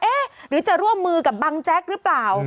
หรือจะร่วมมือกับบังแจ๊กหรือเปล่า